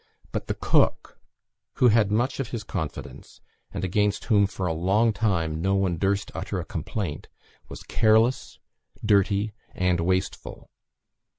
But the cook, who had much of his confidence, and against whom for a long time no one durst utter a complaint, was careless, dirty, and wasteful.